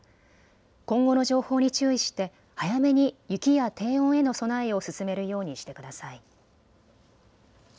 今後の情報に注意して早めに雪や低温への備えを進めるようにしてください。